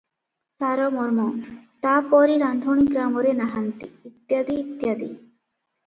ସାରମର୍ମ, ତା'ପରି ରାନ୍ଧୁଣୀ ଗ୍ରାମରେ ନାହାନ୍ତି, ଇତ୍ୟାଦି ଇତ୍ୟାଦି ।